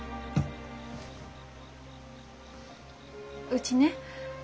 うちね